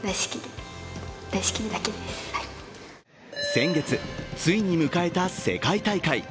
先月、ついに迎えた世界大会。